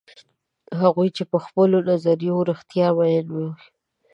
هغوی چې په خپلو نظریو رښتیا میین وي.